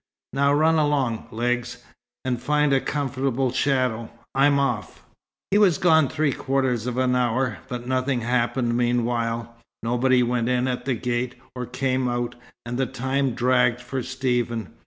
Now run along, Legs, and find a comfortable shadow. I'm off." He was gone three quarters of an hour, but nothing happened meanwhile. Nobody went in at the gate, or came out, and the time dragged for Stephen.